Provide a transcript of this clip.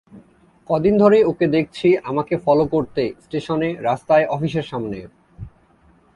কদিন ধরেই ওকে দেখছি আমাকে ফলো করতে স্টেশনে, রাস্তায়, অফিসের সামনে